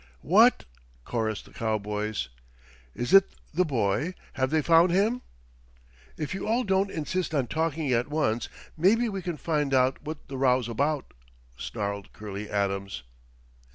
"What " chorused the cowboys. "Is it the boy have they found him?" "If you all don't insist on talking at once, mebby we can find out what the row's about," snarled Curley Adams.